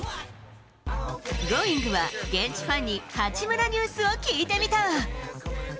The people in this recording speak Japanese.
Ｇｏｉｎｇ！は、現地ファンに八村ニュースを聞いてみた。